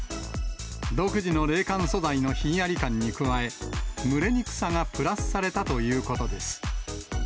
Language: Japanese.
独自の冷感素材のひんやり感に加え、蒸れにくさがプラスされたということです。